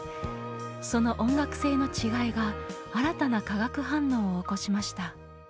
その音楽性の違いが新たな化学反応を起こしました。